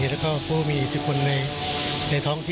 และก็ผู้มีคู่ค้นในท้องที่